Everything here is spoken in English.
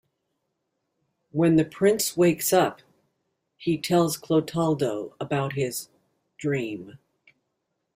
When the prince wakes up, he tells Clotaldo about his "dream".